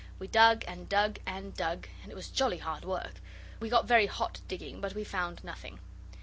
We dug and dug and dug, and it was jolly hard work! We got very hot digging, but we found nothing.